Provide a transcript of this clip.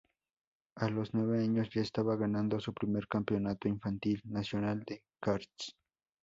A los nueve años ya estaba ganando su primer Campeonato Infantil Nacional de Karts.